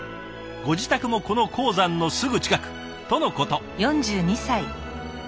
ご自宅もこの鉱山のすぐ近くとのこと。